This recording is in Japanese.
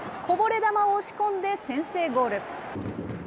こぼれ球を押し込んで先制ゴール。